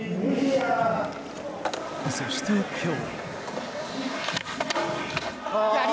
そして今日。